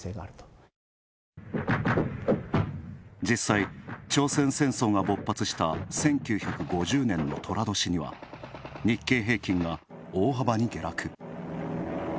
実際、朝鮮戦争が勃発した１９５０年の寅年には日経平均が大幅に下落。